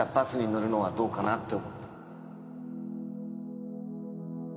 乗るのはどうかなって思って